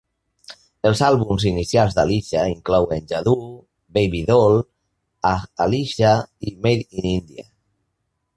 Els àlbums inicials d'Alisha inclouen "Jadoo", "Baby Doll", "Aaah Alisha" i "Made in India".